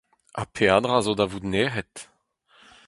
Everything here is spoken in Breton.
Ha peadra zo da vout nec'het.